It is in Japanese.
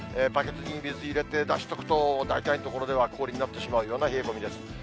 バケツに水入れて出しとくと、大体の所では、氷になってしまうような冷え込みです。